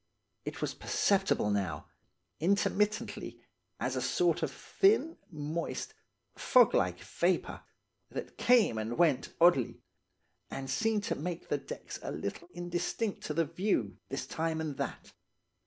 It was perceptible now, intermittently, as a sort of thin, moist, fog like vapour, that came and went oddly, and seemed to make the decks a little indistinct to the view, this time and that.